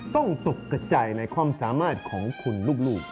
ตกกระจายในความสามารถของคุณลูก